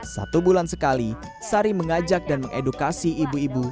satu bulan sekali sari mengajak dan mengedukasi ibu ibu